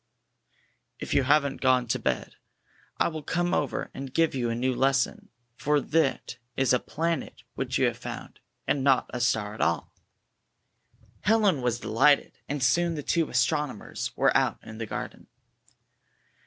"If you haven't gone to bed, I will come over and give you a new lesson. For that is a Planet which you have found, and not a star at all." 59 Helen was delighted, and soon the two astronomers were out in the garden.